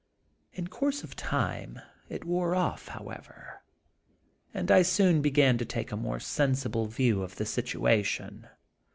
In course of time it wore off, however, and I soon began to take a more sensible view of the situation.